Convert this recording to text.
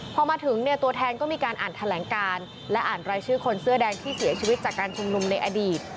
พอมาถึงเนี่ยตัวแทนก็มีการอ่านแถลงการและอ่านรายชื่อคนเสื้อแดงที่เสียชีวิตจากการชุมนุมในอดีต